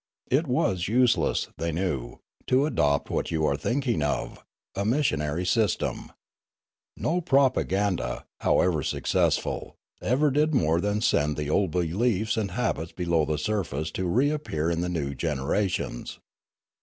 It was useless, they knew, to adopt what you are thinking of, a missionary system. No propa ganda, however successful, ever did more than send the old beliefs and habits below the surface to reappear in the new generations.